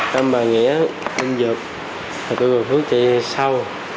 năm bà nghĩa anh giật tụi tôi và phước chạy sau